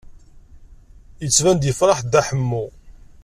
Yettban-d yefṛeḥ Dda Ḥemmu.